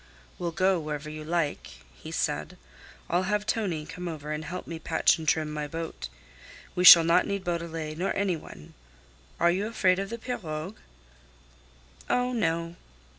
"We'll go wherever you like," he said. "I'll have Tonie come over and help me patch and trim my boat. We shall not need Beaudelet nor any one. Are you afraid of the pirogue?" "Oh, no."